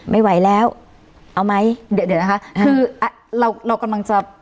ไม่ไหวแล้วเอาไหมเดี๋ยวเดี๋ยวนะคะคือเราเรากำลังจะ